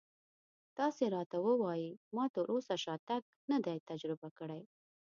تاسې راته ووایئ ما تراوسه شاتګ نه دی تجربه کړی.